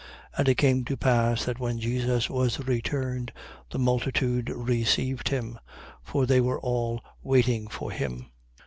8:40. And it came to pass that when Jesus was returned, the multitude received him: for they were all waiting for him.